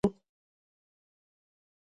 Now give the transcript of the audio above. د هوږې غوړي د څه لپاره وکاروم؟